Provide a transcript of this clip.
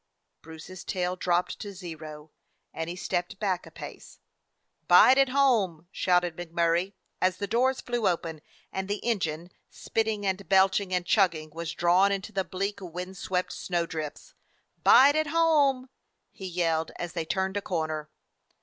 Bruce's tail dropped to zero, and he stepped back a pace. "Bide at home!" shouted MacMurray, as the doors flew open and the engine, spitting and belching and chugging, was drawn into the bleak, wind swept snow drifts. "Bide at home!" he yelled, as they turned a corner.